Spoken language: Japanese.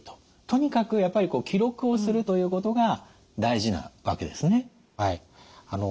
とにかくやっぱり記録をするということが大事なわけですね。